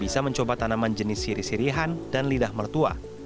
bisa mencoba tanaman jenis siri sirihan dan lidah mertua